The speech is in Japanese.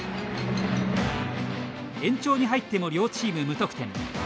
延長に入っても両チーム無得点。